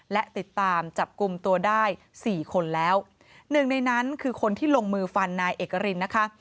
และติดตามจับกลุ่มตัวได้สี่คนแล้วหนึ่งในนั้นคือคนที่ลงมือฟันนายเอกรินนะคะ